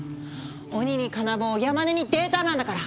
鬼に金棒山根にデータなんだから！